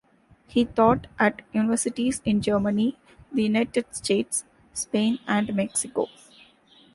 He taught at universities in Germany, the United States, Spain, and Mexico.